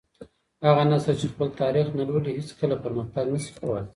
هغه نسل چي خپل تاريخ نه لولي هيڅکله پرمختګ نسي کولای.